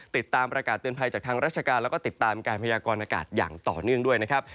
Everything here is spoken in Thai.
ติดตามประกาศเตือนภัยจากทางราชการแล้วก็ติดตามการพยากรณากาศอย่างต่อเนื่องด้วยนะครับ